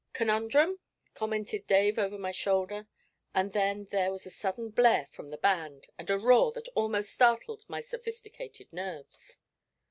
'Conundrum?' commented Dave over my shoulder. Just then there was a sudden blare from the band, and a roar that almost startled my sophisticated nerves.